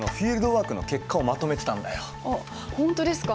あっ本当ですか？